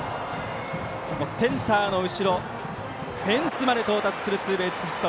センターの後ろフェンスまで到達するツーベースヒット。